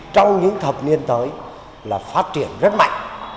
trong những thập niên tới là phát triển rất mạnh